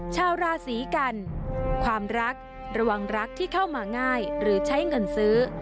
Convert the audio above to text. ชาวราศีกันความรักระวังรักที่เข้ามาง่ายหรือใช้เงินซื้อ